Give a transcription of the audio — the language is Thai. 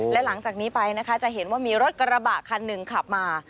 และหลังจากนี้ไปนะคะจะเห็นว่ามีรถกระบะคันหนึ่งขับมา